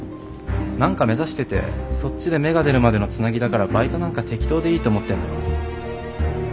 何か目指しててそっちで芽が出るまでのつなぎだからバイトなんか適当でいいと思ってるんだろ。